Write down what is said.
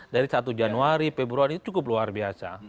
dari satu januari februari cukup luar biasa